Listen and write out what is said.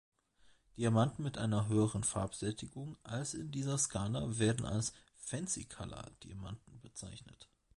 Diamanten mit einer höheren Farbsättigung als in dieser Skala werden als „Fancy Color“-Diamanten bezeichnet.